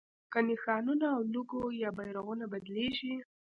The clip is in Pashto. که نښانونه او لوګو یا بیرغونه بدلېږي.